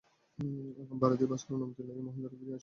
আগাম ভাড়া দিয়া বাসের অনুমতি লইয়া মহেন্দ্র ফিরিয়া আসিল।